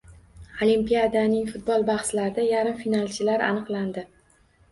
Olimpiadaning futbol bahslarida yarim finalchilar aniqlandi